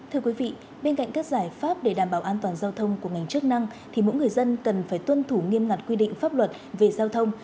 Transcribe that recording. thưa quý vị bên cạnh các giải pháp để đảm bảo an toàn giao thông của ngành chức năng thì mỗi người dân cần phải tuân thủ nghiêm ngặt quy định pháp luật về giao thông